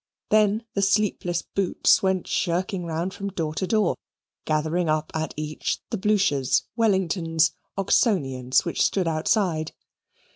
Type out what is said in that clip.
Then the sleepless Boots went shirking round from door to door, gathering up at each the Bluchers, Wellingtons, Oxonians, which stood outside.